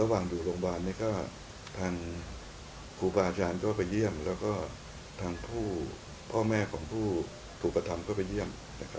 ระหว่างอยู่โรงพยาบาลเนี่ยก็ทางครูปาอาจารย์ก็ไปเยี่ยมแล้วก็ทางผู้พ่อแม่ของผู้ถูกปฏธรรมก็ไปเยี่ยม